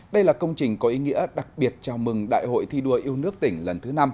đây là công trình có ý nghĩa đặc biệt chào mừng đại hội thi đua yêu nước tỉnh lần thứ năm